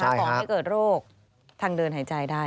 ของที่เกิดโรคทางเดินหายใจได้